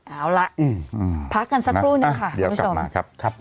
เอาล่ะพักกันสักครู่นึงค่ะเดี๋ยวกลับมาครับ